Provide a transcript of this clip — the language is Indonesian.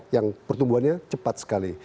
yang pertumbuhannya cepat sekali